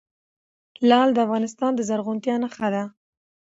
لعل د افغانستان د زرغونتیا نښه ده.